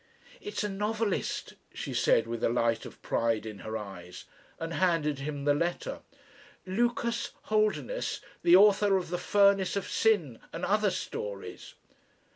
"It's a novelist," she said with the light of pride in her eyes, and handed him the letter. "Lucas Holderness, the author of 'The Furnace of Sin' and other stories."